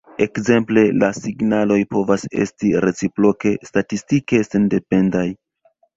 Ekzemple, la signaloj povas esti reciproke statistike sendependaj.